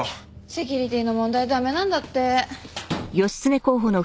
セキュリティーの問題で駄目なんだって。